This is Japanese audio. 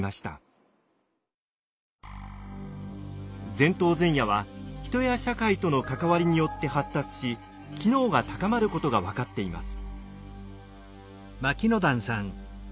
前頭前野は人や社会との関わりによって発達し機能が高まることが分かっています。